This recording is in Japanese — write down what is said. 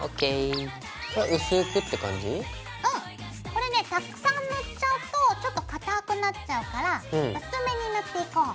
これねたくさん塗っちゃうとちょっとかたくなっちゃうから薄めに塗っていこう。